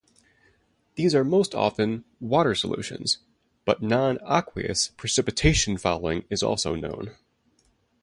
These are most often water solutions, but non-aqueous precipitation fouling is also known.